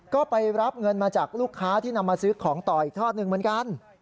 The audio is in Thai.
ก็ไปรับเงินมาจากลูกค้าที่นำมาซื้อของต่ออีกทอดหนึ่งเหมือนกัน